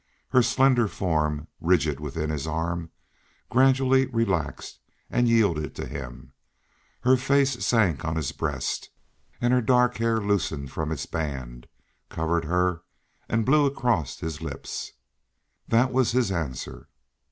Her slender form, rigid within his arm, gradually relaxed, and yielded to him; her face sank on his breast, and her dark hair loosened from its band, covered her, and blew across his lips. That was his answer.